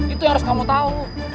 itu yang harus kamu tahu